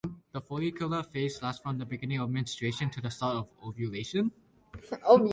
The follicular phase lasts from the beginning of menstruation to the start of ovulation.